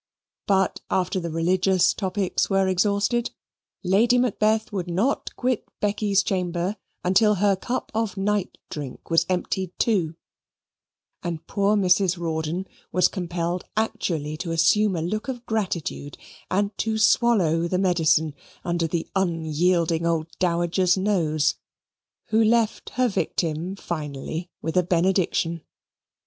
But after the religious topics were exhausted, Lady Macbeth would not quit Becky's chamber until her cup of night drink was emptied too; and poor Mrs. Rawdon was compelled actually to assume a look of gratitude, and to swallow the medicine under the unyielding old Dowager's nose, who left her victim finally with a benediction.